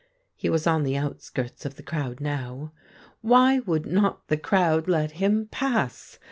He was on the outskirts of the ci owd now. Why would not the crowd let him pass